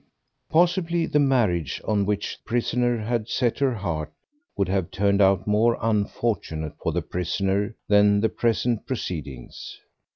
Possibly the marriage on which the prisoner had set her heart would have turned out more unfortunate for the prisoner than the present proceedings.